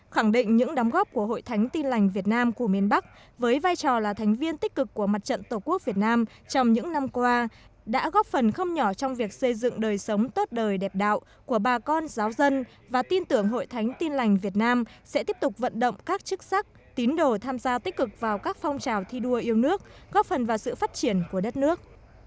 khẳng định những đóng góp của hội thánh tin lành việt nam của miền bắc với vai trò là thành viên tích cực của mặt trận tổ quốc việt nam trong những năm qua đã góp phần không nhỏ trong việc xây dựng đời sống tốt đời đẹp đạo của bà con giáo dân và tin tưởng hội thánh tin lành việt nam sẽ tiếp tục vận động các chức sắc tín đồ tham gia tích cực vào các phong trào thi đua yêu nước góp phần vào sự phát triển của đất nước